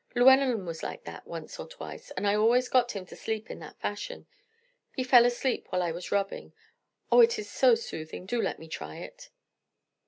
Llewellyn was like that once or twice, and I always got him to sleep in that fashion. He fell asleep while I was rubbing. Oh, it is so soothing! Do let me try it."